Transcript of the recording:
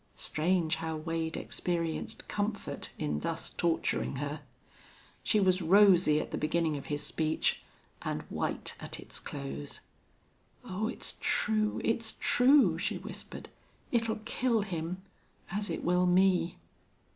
Strange how Wade experienced comfort in thus torturing her! She was rosy at the beginning of his speech and white at its close. "Oh, it's true! it's true!" she whispered. "It'll kill him, as it will me!"